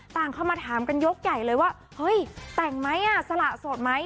ต่างเข้ามาถามกันยกใหญ่เลยว่าเฮ้ยแต่งไหมสละโสดไหม